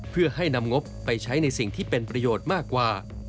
เพื่อให้นำงบไปใช้ในสิ่งที่เป็นประโยชน์มากกว่า